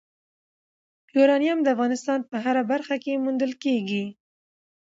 یورانیم د افغانستان په هره برخه کې موندل کېږي.